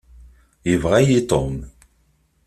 Yebɣa-yi Tom.